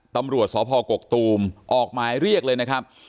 ตำรวจสพกกตูมออกหมายเรียกเลยนะครับ